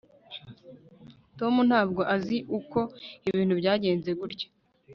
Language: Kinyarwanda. tom ntabwo azi uko ibintu byagenze gutya